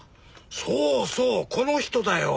そうそうこの人だよ。